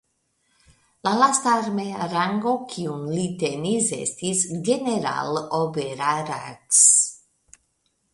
La lasta armea rango kiun li tenis estis "Generaloberarzt".